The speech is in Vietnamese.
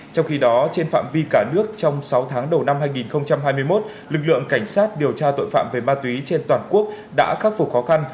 trong khi đó trên phạm vi cả nước trong sáu tháng đầu năm hai nghìn hai mươi một lực lượng cảnh sát điều tra tội phạm về ma túy trên toàn quốc đã khắc phục khó khăn